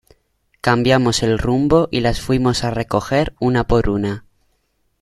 cambiamos el rumbo y las fuimos a recoger una por una